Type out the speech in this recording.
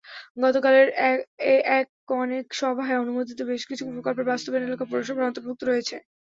গতকালের একনেক সভায় অনুমোদিত বেশ কিছু প্রকল্পের বাস্তবায়ন এলাকা পৌরসভার অন্তর্ভুক্ত রয়েছে।